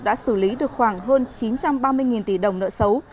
đã xử lý được khoảng hơn chín trăm ba mươi tỷ đồng nợ xấu